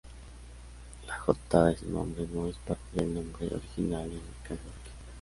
La "J" de su nombre no es parte del nombre original en Kanji.